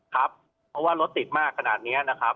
ครับเพราะว่ารถติดมากขนาดนี้นะครับ